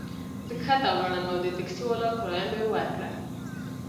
زه کښته ولاړم او د ټکسي والا کرایه مي ورکړه.